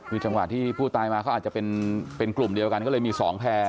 คือจังหวะที่ผู้ตายมาเขาอาจจะเป็นกลุ่มเดียวกันก็เลยมี๒แพร่